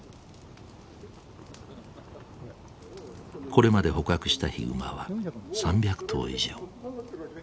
これまで捕獲したヒグマは３００頭以上。